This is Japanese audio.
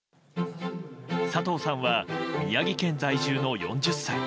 佐藤さんは宮城県在住の４０歳。